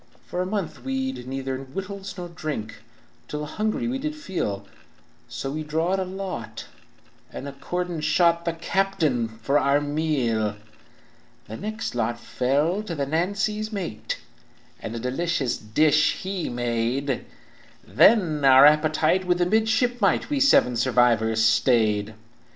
"For a month we'd neither wittles nor drink, Till a hungry we did feel, So we drawed a lot, and accordin' shot The captain for our meal. "The next lot fell to the Nancy's mate, And a delicate dish he made; Then our appetite with the midshipmite We seven survivors stayed.